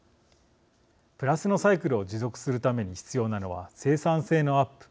プラスのサイクルを持続するために必要なのは生産性のアップ